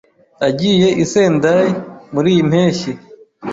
Agiye i Sendai muriyi mpeshyi.